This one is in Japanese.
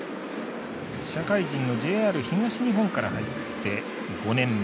社会人のＪＲ東日本から入って５年目。